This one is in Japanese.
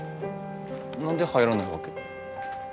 何で入らないわけ？